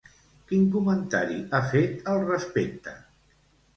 Quin comentari ha fet al respecte?